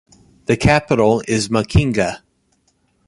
The capital is Machinga.